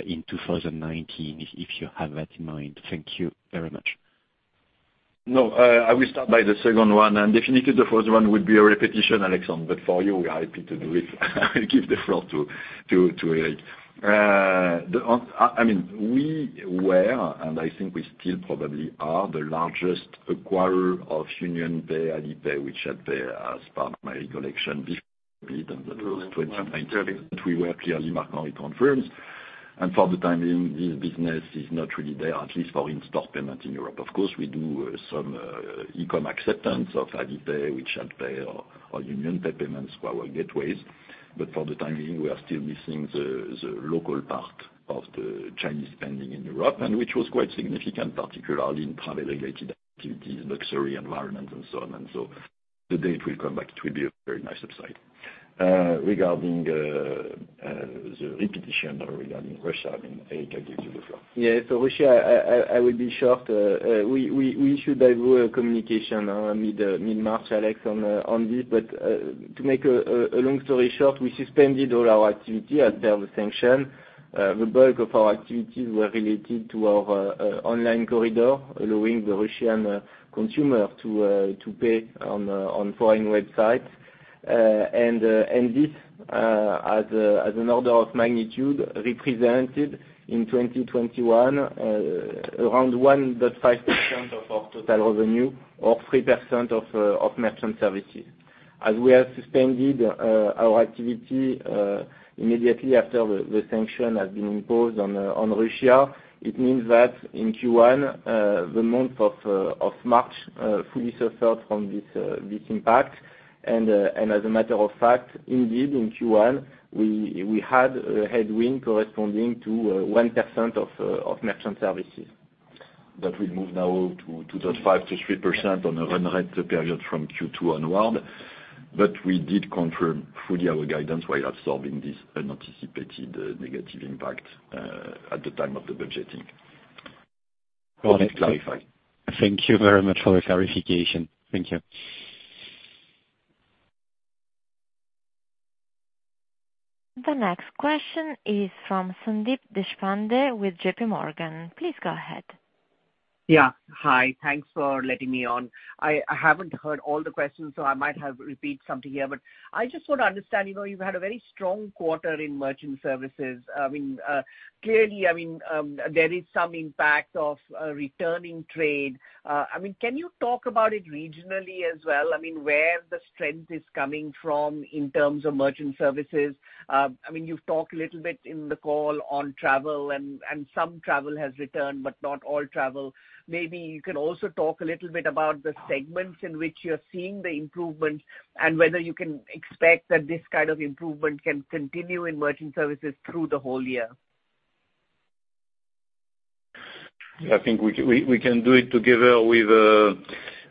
in 2019, if you have that in mind? Thank you very much. No, I will start by the second one, and definitely the first one would be a repetition, Alexandre Faure, but for you we are happy to do it. I give the floor to Eric. I mean, we were, and I think we still probably are, the largest acquirer of UnionPay, Alipay, which had payback, as per my recollection, before that was 2019. We were clearly market leader now it confirms. For the time being, this business is not really there, at least for in-store payment in Europe. Of course, we do some e-com acceptance of Alipay, which help pay our UnionPay payments for our gateways. But for the time being, we are still missing the local part of the Chinese spending in Europe, and which was quite significant, particularly in travel-related activities, luxury environments and so on. The day it will come back, it will be a very nice upside. Regarding the repetition regarding Russia, I mean, Eric, I give you the floor. Russia, I will be short. We issued a communication mid-March, Alexandre, on this. To make a long story short, we suspended all our activity as per the sanction. The bulk of our activities were related to our online corridor, allowing the Russian consumer to pay on foreign websites. And this, as an order of magnitude, represented in 2021 around 1.5% of our total revenue or 3% of merchant services. As we have suspended our activity immediately after the sanction has been imposed on Russia, it means that in Q1 the month of March fully suffered from this impact. As a matter of fact, indeed in Q1, we had a headwind corresponding to 1% of merchant services. That will move now to 2.5%-3% on a run rate period from Q2 onward. We did confirm fully our guidance while absorbing this unanticipated negative impact at the time of the budgeting. Perfect. To clarify. Thank you very much for the clarification. Thank you. The next question is from Sandeep Deshpande with JPMorgan. Please go ahead. Yeah. Hi. Thanks for letting me on. I haven't heard all the questions, so I might have to repeat something here, but I just want to understand, you know, you've had a very strong quarter in merchant services. I mean, clearly, I mean, there is some impact of returning trade. I mean, can you talk about it regionally as well? I mean, where the strength is coming from in terms of merchant services? I mean, you've talked a little bit in the call on travel and some travel has returned, but not all travel. Maybe you can also talk a little bit about the segments in which you're seeing the improvement and whether you can expect that this kind of improvement can continue in merchant services through the whole year. I think we can do it together with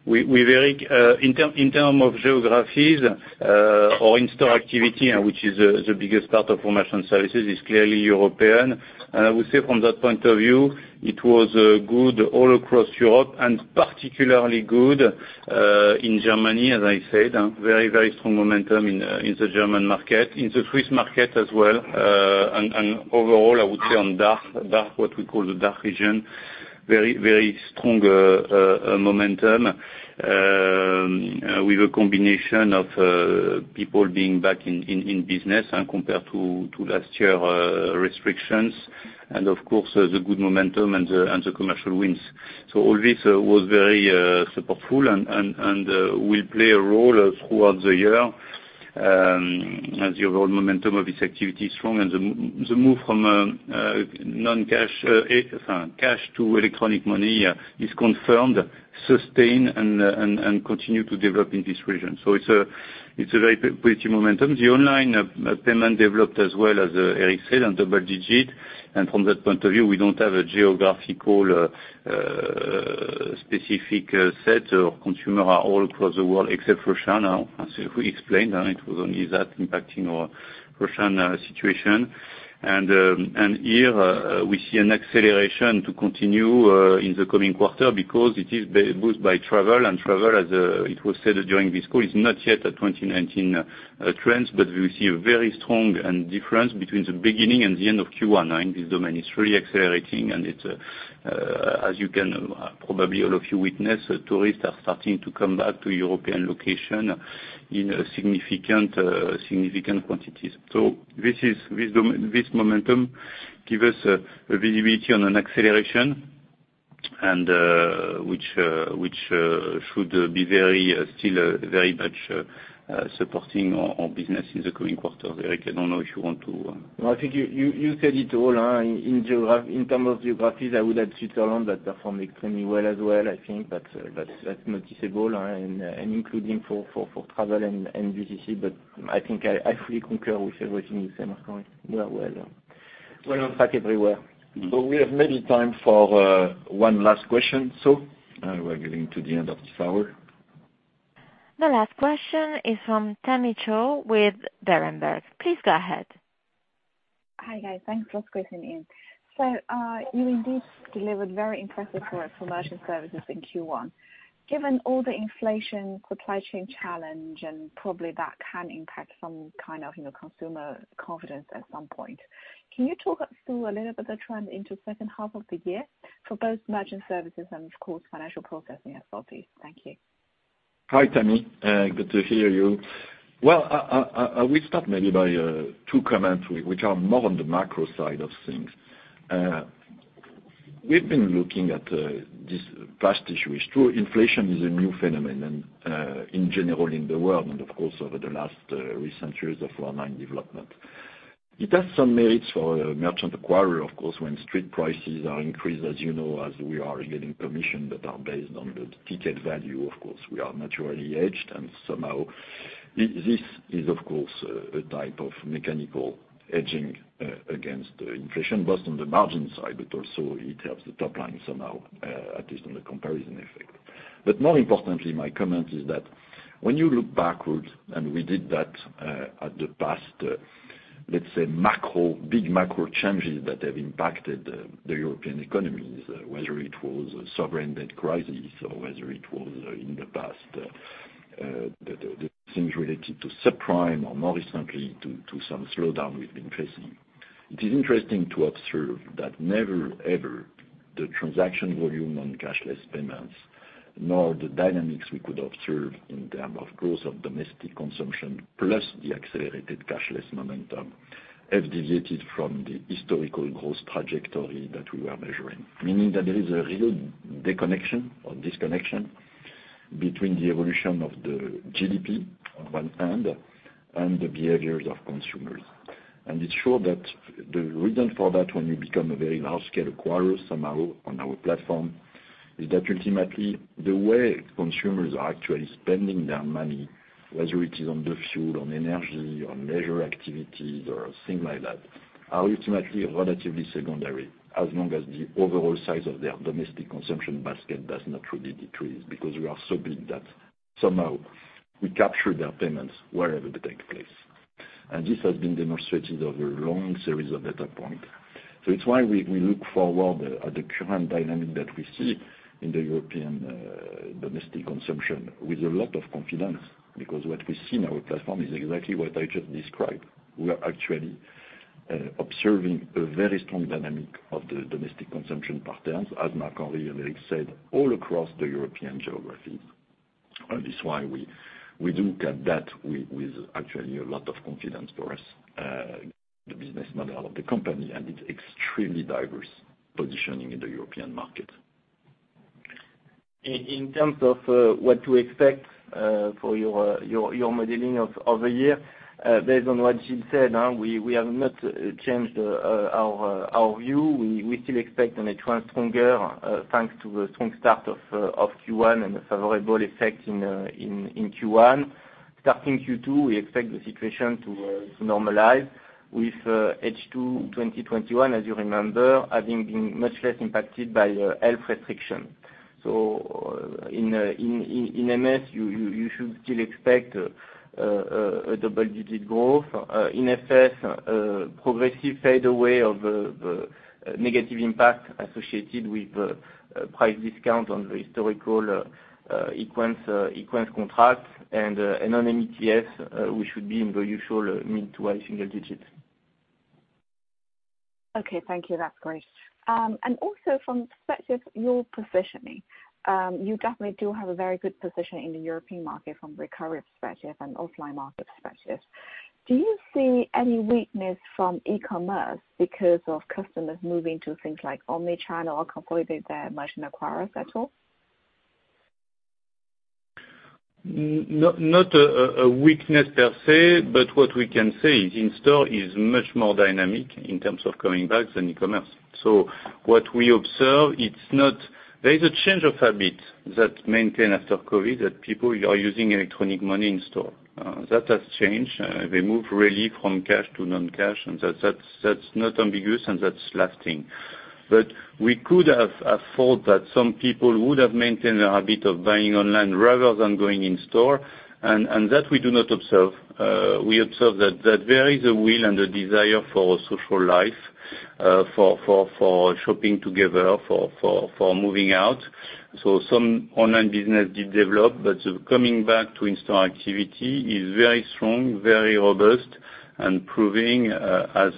Eric. In terms of geographies or in-store activity, which is the biggest part of information services is clearly European. I would say from that point of view, it was good all across Europe and particularly good in Germany, as I said, very strong momentum in the German market, in the Swiss market as well. Overall, I would say on DACH what we call the DACH region, very strong momentum with a combination of people being back in business and compared to last year restrictions, and of course, the good momentum and the commercial wins. All this was very supportive and will play a role throughout the year, as the overall momentum of this activity is strong and the move from cash to electronic money is confirmed, sustained, and continue to develop in this region. It's a very pretty momentum. The online payment developed as well as Eric said, in double digits. From that point of view, we don't have a geographically specific sector or consumer all across the world, except for China, as we explained, and it was only that impacting our Russian situation. Here we see an acceleration to continue in the coming quarter because it is boosted by travel, and travel as it was said during this call, is not yet a 2019 trends, but we see a very strong difference between the beginning and the end of Q1. This domain is really accelerating, and it's as you can probably all of you witness, tourists are starting to come back to European location in significant quantities. This is this momentum give us a visibility on an acceleration and which should be very still very much supporting our business in the coming quarter. Eric, I don't know if you want to. No, I think you said it all, in terms of geographies. I would add Switzerland that performed extremely well as well. I think that's noticeable, and including for travel and DCC, but I think I fully concur with everything you said, Gilles. Yeah, well, in fact everywhere. We have maybe time for one last question. We're getting to the end of this hour. The last question is from Tammy Qiu with Berenberg. Please go ahead. Hi, guys. Thanks for squeezing me in. You indeed delivered very impressive work for merchant services in Q1. Given all the inflation, supply chain challenge, and probably that can impact some kind of, you know, consumer confidence at some point, can you talk us through a little bit the trend into second half of the year for both merchant services and of course, financial processing as well, please? Thank you. Hi, Tammy. Good to hear you. Well, I will start maybe by two comments which are more on the macro side of things. We've been looking at this past issue. It's true inflation is a new phenomenon in general in the world, and of course, over the last recent years of economic development. It has some merits for a merchant acquirer, of course, when street prices are increased, as you know, as we are getting commissions that are based on the ticket value, of course, we are naturally hedged, and somehow this is of course, a type of mechanical hedging against inflation, both on the margin side, but also it helps the top line somehow, at least on the comparison effect. More importantly, my comment is that when you look backwards, and we did that in the past, let's say macro, big macro changes that have impacted the European economies, whether it was a sovereign debt crisis or whether it was in the past the things related to subprime or more recently to some slowdown we've been facing. It is interesting to observe that never, ever the transaction volume on cashless payments, nor the dynamics we could observe in terms of the course of domestic consumption plus the accelerated cashless momentum have deviated from the historical growth trajectory that we were measuring. Meaning that there is a real disconnection between the evolution of the GDP on one hand and the behaviors of consumers. It's sure that the reason for that when you become a very large scale acquirer, somehow on our platform, is that ultimately the way consumers are actually spending their money, whether it is on the fuel, on energy, on leisure activities or things like that, are ultimately relatively secondary, as long as the overall size of their domestic consumption basket does not really decrease because we are so big that somehow we capture their payments wherever they take place. This has been demonstrated over a long series of data point. It's why we look forward at the current dynamic that we see in the European domestic consumption with a lot of confidence because what we see in our platform is exactly what I just described. We are actually observing a very strong dynamic of the domestic consumption patterns, as Marc-Henri and Eric said, all across the European geography. It's why we look at that with actually a lot of confidence for us, the business model of the company, and it's extremely diverse positioning in the European market. In terms of what to expect for your modeling of the year, based on what Gilles said, we have not changed our view. We still expect a trend stronger, thanks to a strong start of Q1 and a favorable effect in Q1. Starting Q2, we expect the situation to normalize with H2 2021, as you remember, having been much less impacted by health restriction. In MS, you should still expect a double-digit growth. In FS, progressive fade away of the negative impact associated with price discount on the historical Equens contract. On ETS, we should be in the usual mid to high single digits. Okay, thank you. That's great. From the perspective, your positioning, you definitely do have a very good position in the European market from recovery perspective and offline market perspective. Do you see any weakness from e-commerce because of customers moving to things like omni-channel or completing their merge and acquire at all? Not a weakness per se, but what we can say is in-store is much more dynamic in terms of coming back than e-commerce. What we observe, it's not. There is a change of habit that remains after COVID, that people are using electronic money in store. That has changed. They move really from cash to non-cash, and that's not ambiguous, and that's lasting. We could have thought that some people would have maintained a habit of buying online rather than going in-store, and that we do not observe. We observe that there is a will and a desire for social life, for shopping together, for moving out. Some online business did develop, but coming back to in-store activity is very strong, very robust and proving as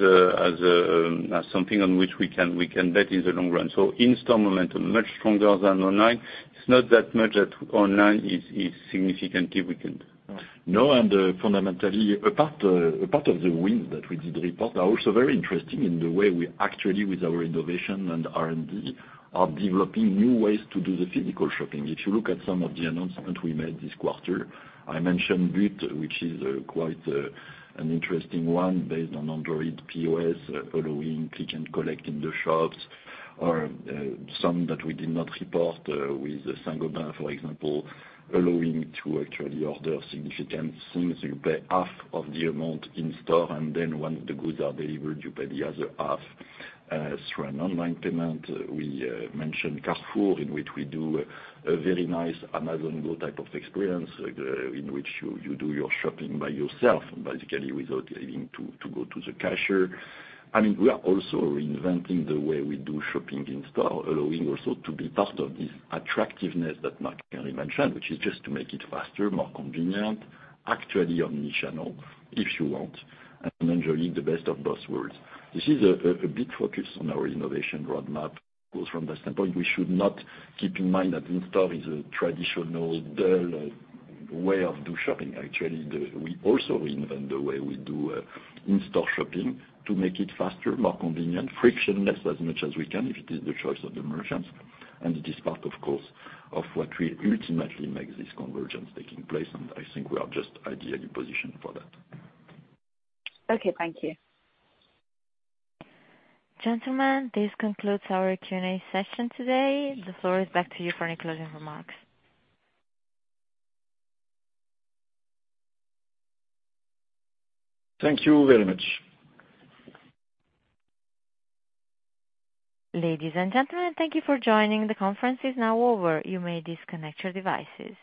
something on which we can bet in the long run. In-store momentum much stronger than online. It's not that much that online is significantly weakened. No, fundamentally, a part of the wins that we did report are also very interesting in the way we actually, with our innovation and R&D, are developing new ways to do the physical shopping. If you look at some of the announcements we made this quarter, I mentioned Bit, which is quite an interesting one based on Android POS, allowing click and collect in the shops, or some that we did not report with Saint-Gobain, for example, allowing to actually order significant things. You pay half of the amount in store, and then when the goods are delivered, you pay the other half through an online payment. We mentioned Carrefour, in which we do a very nice Amazon Go type of experience, in which you do your shopping by yourself and basically without having to go to the cashier. I mean, we are also reinventing the way we do shopping in store, allowing also to be part of this attractiveness that Marc-Henri mentioned, which is just to make it faster, more convenient, actually omni-channel, if you want, and enjoying the best of both worlds. This is a big focus on our innovation roadmap. Of course, from that standpoint, we should not keep in mind that in-store is a traditional, dull way of doing shopping. Actually, we also reinvent the way we do in-store shopping to make it faster, more convenient, frictionless, as much as we can, if it is the choice of the merchants. It is part, of course, of what will ultimately make this convergence take place, and I think we are just ideally positioned for that. Okay, thank you. Gentlemen, this concludes our Q&A session today. The floor is back to you for any closing remarks. Thank you very much. Ladies and gentlemen, thank you for joining. The conference is now over. You may disconnect your devices.